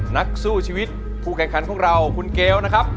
นักสู้ชีวิตผู้แข่งขันของเราคุณเกลนะครับ